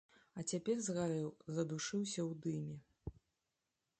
А цяпер згарэў, задушыўся ў дыме.